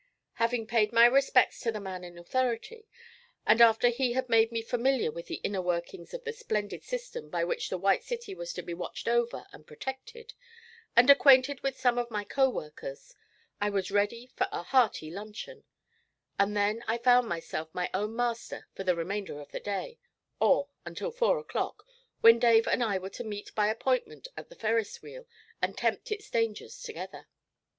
Having paid my respects to the 'man in authority,' and after he had made me familiar with the inner workings of the splendid system by which the White City was to be watched over and protected, and acquainted with some of my co workers, I was ready for a hearty luncheon, and then I found myself my own master for the remainder of the day, or until four o'clock, when Dave and I were to meet by appointment at the Ferris Wheel and tempt its dangers together.